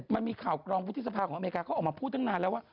มันมีข่าวกรองวุฒิสภาของอเมริกาเขาออกมาพูดตั้งนานแล้วว่า